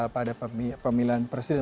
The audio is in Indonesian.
pada pemilihan presiden